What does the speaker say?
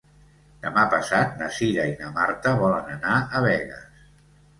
Demà passat na Cira i na Marta volen anar a Begues.